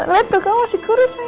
liat dong kamu masih kurus sayang